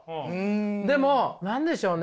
でも何でしょうね？